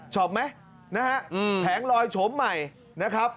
ชอบไหมนะฮะแผงลอยโฉมใหม่นะครับ